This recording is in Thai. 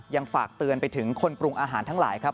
ฝากเตือนไปถึงคนปรุงอาหารทั้งหลายครับ